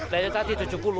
lainnya tadi tujuh puluh